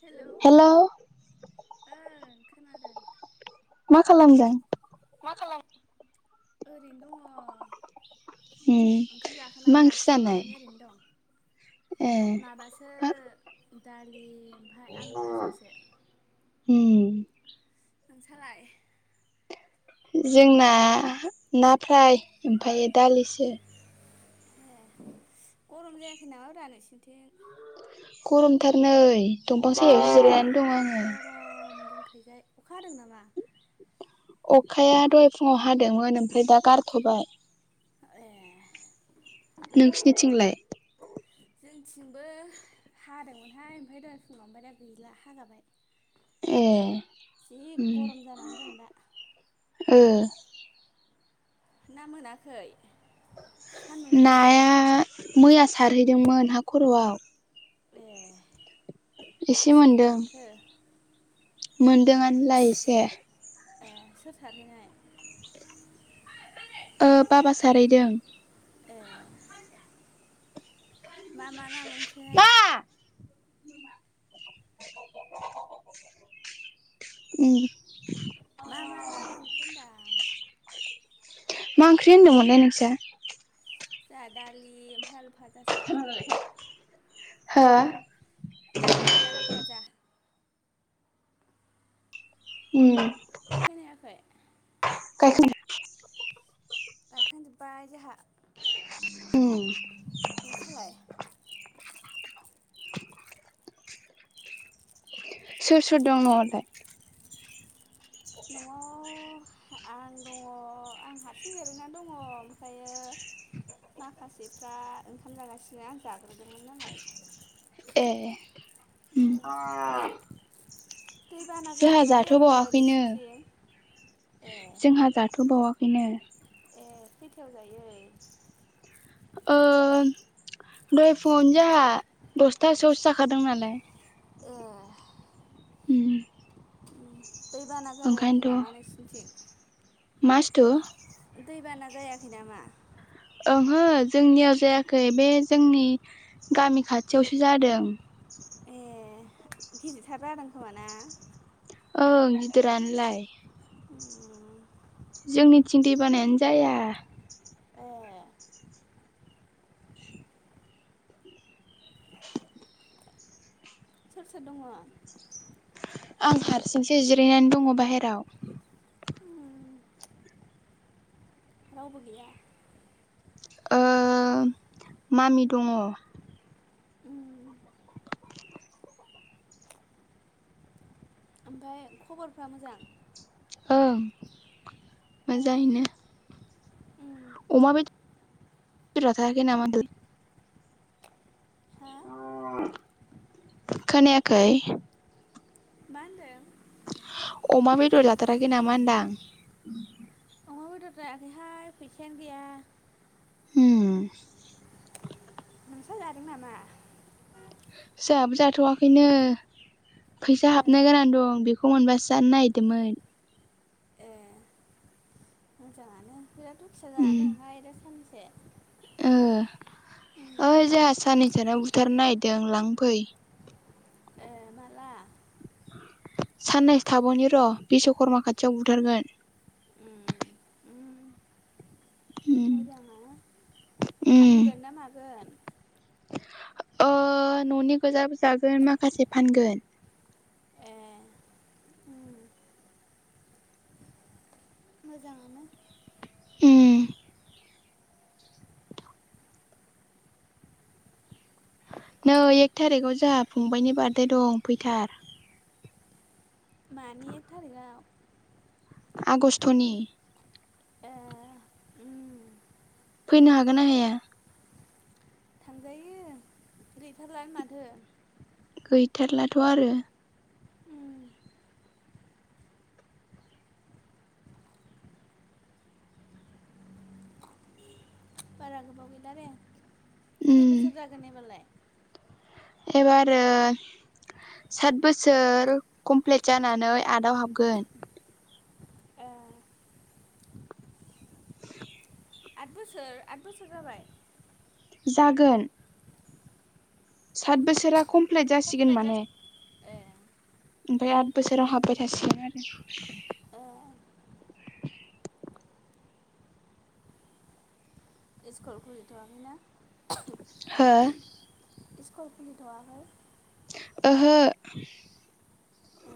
Hello hello ओं खोनादों। मा खालामदों? ओरैनो दङ। उम ओंखाम मा जाखांनानै ओंख्रि दासो जानाय जेरायनानै ओरैनो दं। ए माबासो मा दालि। ओमफ्राय आलु फाजासो उम नोंसालाय? जोंना ना फ्राय ओमफ्राय दालिसो। गरम जायाखै नामा रा नोंसिरनिथिं? गरमथार नै दंफां सायाव सो जि जिरायनानै दं आङो। गरम जोंनिखैजाय अखा हादों नामा? अखाया दहाय फुङाव हादोंमोन ओमफाय दा गारथबाय। ए नोंसिनिथिंलाय? जोंथिंबो हादोंमोनहाय ओमफ्राय दहाय फुुङाव दा गैला हागाबाय। ए जि गरम जानानै दं दा। ए ना मोनाखै? सान्दुं दुंनायनि नाया मैया सारहैदोंमोन हा खर'आव। ए एसे बेसे बुरजा मोनदों मोनखो? मोनदोंआनोलाय एसे। ए सोर सारहैनाय? ओ बाबा सारहैदों। ए मा मा ना मोनखैहाय? मा उम मा मा ना मोनखो होन्दां? मा ओंख्रि होनदोंमोनलै नोंस्रा? जोंहा दालि ओमफाय आलु फाजासो। हा दालि आलु फाजा‌। उम खोनायाखै‌? [unintelligible] गायखांजोब्बाय जोंहा उम नोंसालाय? सोर सोर दं न'आवलाय? न'आव आं दङ आं हारसिं जिरैनानै दङ ओमफायो माखासेफ्रा ओंखाम जागासिनो आं जाग्रोदोंमोन नालाय‌। ए ओ उम दै बाना जोंहा जागोनना जायाखै जाथ'बावाखैनो नोंसिरनिथिं जोंहा जाथ'बावाखैनो। ए खैथायाव जायो। दह फुनो जोंहा दसथासोआवसो जाखादोंथ नालाय ओ उम दै बाना जागायाखै नामा नोंसिोरनिथिं मासथु? दैबाना जायाखै नामा? ओंहो जोंनियाव जायाखै बे जोंनि गामि खाथियावसो जादों। ए गिदिरथार जादों खोमा ना? औ गिदिरानोलाय। उम जोंनिथिं दै बानायानो जाया। ए सोर सोर दङ। आं हारसिंसो जिरायनानै दङ बाहेरायाव उम, रावबो गैया मामि दङ उम, ओमफफ्राय खबरफ्रा मोजां ओं मोजाङैनो उ अमा बेदा ना म हा खोनाखै मा होनदो अमा बेदर लाथाराखै नामा होनदां माबे ददा आओरैहाय पेसेन्ट गैया ह मोनस जादों नामा फाबो जाथ'वाखैनो फैसा ए हाबनो गोनां दं बेखौ ख मोनबासो जानो ागिरदोंमोन ए मोजाङानो बिराद उुथिया उम जानानै दंहाय दा साननैसेो ओइ जोंहा साननैसोाव बुथारनो नागिरदों लांफै ए मा्ला साननैसो थाब'नि र' बिश्वकर्मा खाथियाव बुथारगोन उम, उम मोजाङा उम फानगोन ना मागोन न'नि गोजा जागोन माखासे फानगोन ए उम, मोजाङानो ओ नै एक थारिखाव जोंहा फंबायनि बार्थडे दं फैथार मानि एक थारिखआव आगस्ट'नि ओ फैनो हागोन ना हाया थांजायो गैथारला माथो गैथारलाथ' आरो उम, बारा गोबाव गैला दे खै उम बोसोर जागोन नेबालाय एबारो सात बोसोर कमप्लिट जानानै आटआव हाबगोन ओ आद बोसोर आद बोसोर जाबाय जाग्रोर सात बोसोरा कमप्लिट जासिगोन माने, ए उम, ओमफ्राय आद बोसोराव हाबबाय थासिगोन आरो स्कुल खुलिथ'वाखैना? हो स्कुल खुलिथव ह आह ए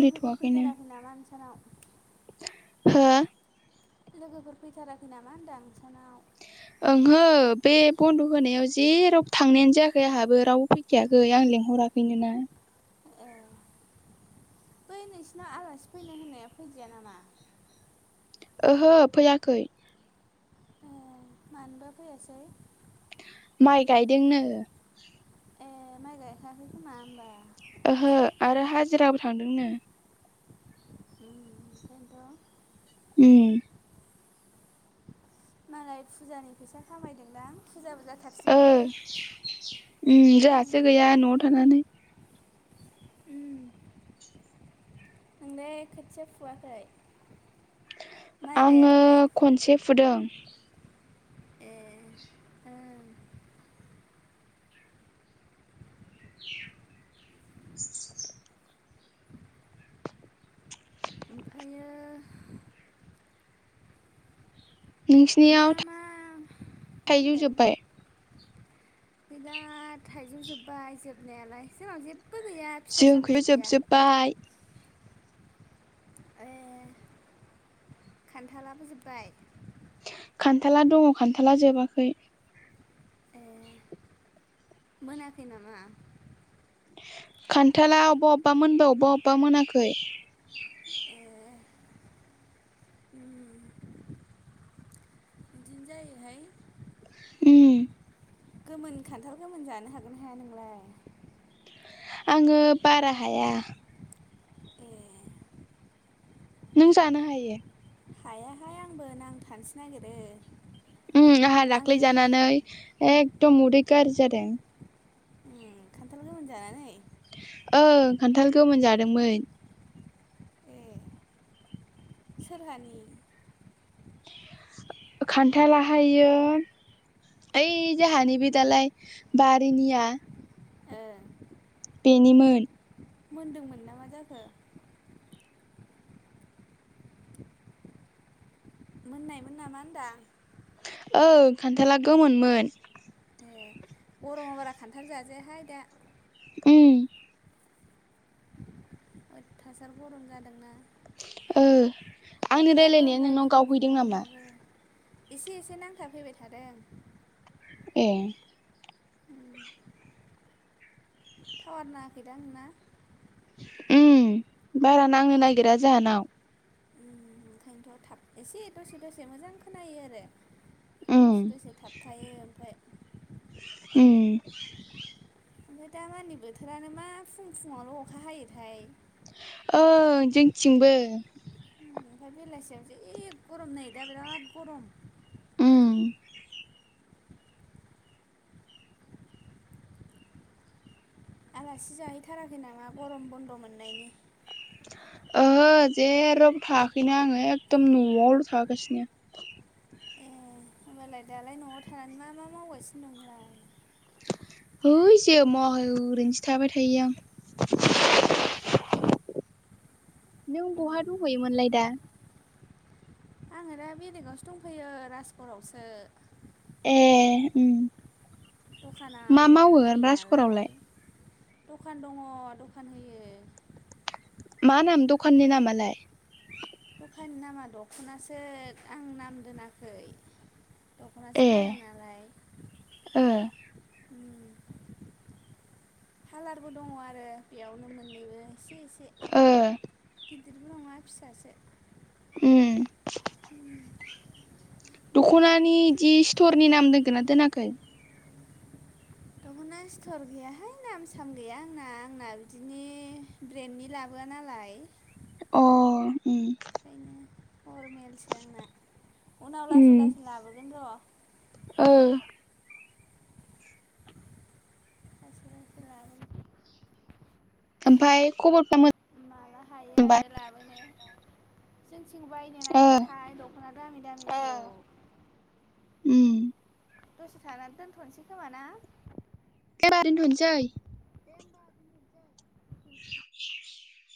लोगोफोर फैथाराखै नामा नोंसानाव हा लोगोफोर फैथाराखै नामा होनदोंां नसानाव ओंहो बे बन्द' होनायाव जेराव थांनायानो जायाखै आंहाबो रावबो फै सिथिाययाखै आं लिेंहराखैनो ना ओ बै नोंसिनाव आलासि फैनो होननाया फैदिया नामा? ओहो फैयाखै। ए मानोबा फैयासै। माइ गायदोंनो। ए माइ गायखांआखै खोमा होमबा। ओहो आरो हाजिराबो थांदोंनो। ओम बेखायनोथ'। उम। मालाय फुजानि फैसा खामायदोंदां फुजाबो जाथार ओ उम जोंहासो गैया न'आव थानानै उम। नोंलाय खोथिया फुवाखै। माइ आङो गायाखै खनसे फुदों। ए ओं। ओमफ्रायो। मा नोंसिनियाव मा मा थाइजौ जोब्बाय। बिराद थाइजौजोब्बाय जोबनायालाय जोंनाव जेबो गैया फिथाइ सामथाइ गैया। बाय। ए खान्थालाबो जोबबाय। खान्थाला दङ खान्थाला जोबाखै। ए मोनाखै नामा? खान्थाला अबा अबा मोनबाय अबा अबा मोनाखै। ए बिदिनो जायोहाय। उम। गोमोन खान्थाल गोमोन जानो हागोन हाया नोंलाय? आङो बारा हाया। ए। नों जानो हायो। हायाहाय आंबो नांथानोसो नागिरो। उम आहा दाख्लै आङो जानानै एखदम उदै गाज्रि जादों। उम खान्थाल गोमोन जानानै। ओं खान्थाल गोमोन जादोंमोन। ए सोरहानि खान्थालाहायो ओइ जोहानि बे दालाय बारिनिया ओ बेनिमोन मोन्दोंमोन ना मा जाखो मोननायमोन नामा होनदां। ओं खान्थाला गोमोनमोन। ए गरमाव बारा खान्थाल जाजायाहाय दा। उम। अयथासार गरम जादोंना। ओ आंनि अखायाबो रायलायनाया ओमफाय नोंनाव फुं गावहैदों फुङावनो नामा हाबो। एसे एसे नांथाफैबाय थादों। ए उम टावार नाङाखैदां ना उम बारा नांनो नागिरा जाहानाव उम ओंखायनोथ' थाब एसे दसे दसे मोजां खोनायो आरो। उम दसे दसे थाबथायो ओमफाय उम ओमफ्राय दा मानि बोथोरानो मा फुं फुुंङावल' अखा हायोथाय ओं जोंथिंबो उम ओमफ्राय बेलासियाव जि गरम नै दा बिराद गरम उम आलासि जाहैथाराखै नामा गरम बन्द' मोननायनि? ओहो जेरावबो थाङाखैनो आङो एखदम न'आवल' थागासिनो ए होमबालाय दालाय न'आव थानानै मा मा मावगासिनो दं नोंलाय? है जेबो मावाखै ओरैनोसो थाबाय थायो आं ए नों बहा उम दंहैयोमोनलाय दा? आङो दा बेलेगावसो दंफैयो राजपरावसो ए उम दखाना मा आं मावो दखान होयो नालाय राजघरावलाय दखान दङ' दखान होयो। मा नाम दखाननि नामालाय? दखाननि नामा दख'नासो आं नाम दोनाखै। दख'नासो ए फानो नालाय ओ उम फालारबो दङ' आरो बेयावनो मोननैबो एसे एसे ओ [unintelligible] [unintelligible] नङा फिसासो उम उम दख'नानि इदि स्थरनि नाम दोनगोना दोनाखै? दख'ना स्थर गैयाहाय नाम साम गैया आंना आंना बिदिनि ब्रेन्डनि लाबोआ नालाय अ उम मेलसो आंना। उनाव उम लासै लासै लाबोगोन र' ओ लासै लासै लाबोनसै ओमफाय खबरफ्रा मो [unintelligible] हायो आरो लाबोनो जोंनिथिं बायनो ओ नागिराहाय द ना दामि दामि औ। उम। दसे थानानै दोनथ'नोसै खोमा ना? दे होनबा दोनथसै। दे होनबा [inaudible] [inaudible]